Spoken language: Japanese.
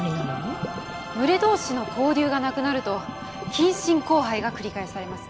群れ同士の交流がなくなると近親交配が繰り返されます。